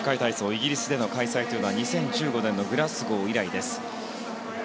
イギリスでの開催というのは２０１５年のグラスゴー以来です。